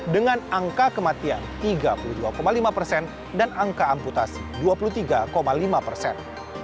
dengan angka kematian tiga puluh dua lima persen dan angka amputasi dua puluh tiga lima persen